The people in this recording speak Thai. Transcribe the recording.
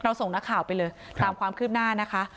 ส่งนักข่าวไปเลยตามความคืบหน้านะคะ